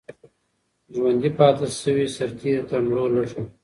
ژوندي پاتې سوي سرتیري تر مړو لږ وو.